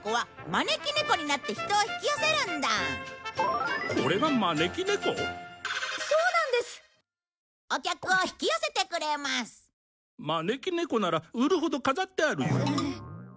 招き猫なら売るほど飾ってあるよ。